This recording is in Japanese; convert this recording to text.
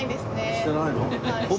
してないの？